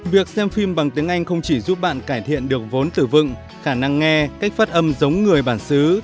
việc xem phim bằng tiếng anh không chỉ giúp bạn cải thiện được vốn tử vựng khả năng nghe cách phát âm giống người bản xứ